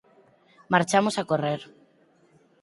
Marchamos a correr.